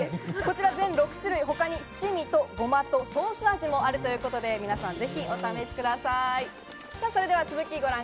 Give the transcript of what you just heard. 全６種類、他に七味とゴマとソース味もあるということで皆さん、ぜひお試しください。